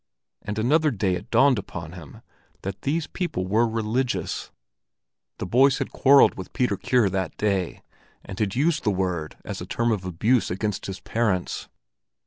And another day it dawned upon him that these people were religious; the boys had quarrelled with Peter Kure that day, and had used the word as a term of abuse against his parents.